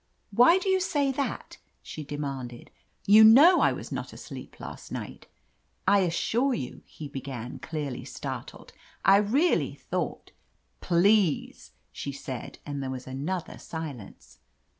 "Why do you say that?" she demanded. "You know I was not asleep last night." "I assure you —" he began, clearly startled. "I— really thought—" "Please!" she said, and there was another silence.